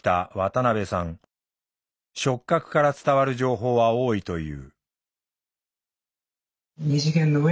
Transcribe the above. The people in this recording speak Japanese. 触覚から伝わる情報は多いという。